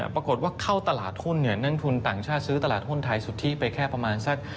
ปรากฏว่าเข้าตลาดหุ้นนักทุนต่างชาติซื้อตลาดหุ้นไทยสุทธิไปแค่ประมาณสัก